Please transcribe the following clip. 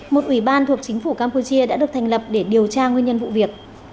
một ủy ban thuộc chính phủ campuchia đã được thành lập để điều tra nguyên nhân vụ việc